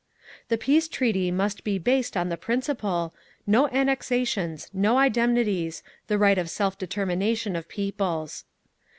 The peace treaty must be based on the principle, "No annexations, no indemnities, the right of self determination of peoples."